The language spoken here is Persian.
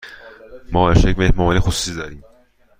ما امشب یک مهمانی خصوصی داریم.